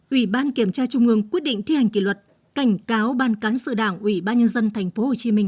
ubnd quyết định thi hành kỳ luật cảnh cáo ban cán sự đảng ubnd thành phố hồ chí minh